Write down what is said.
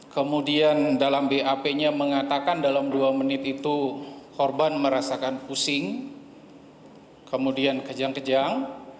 kemudian dalam bap nya mengatakan dalam dua menit itu korban merasakan pusing kemudian kejang kejang